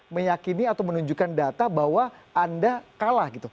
meyakini atau menunjukkan data bahwa anda kalah gitu